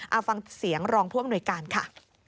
เอาฟังเสียงรองผู้อำนวยการค่ะ